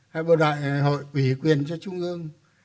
hai bộ đội hội ủy quyền cho trung ương